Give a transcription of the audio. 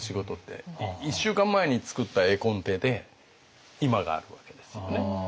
１週間前に作った絵コンテで今があるわけですよね。